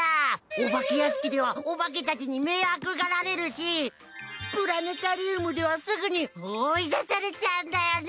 お化け屋敷ではお化けたちに迷惑がられるしプラネタリウムではすぐに追い出されちゃうんだよね。